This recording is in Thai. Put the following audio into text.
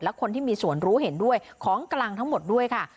และคนที่มีส่วนรู้เห็นด้วยของกลางทั้งหมดด้วยค่ะ